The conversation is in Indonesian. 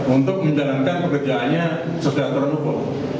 untuk menjalankan pekerjaannya sedang terluka